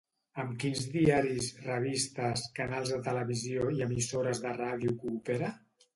Amb quins diaris, revistes, canals de televisió i emissores de ràdio coopera?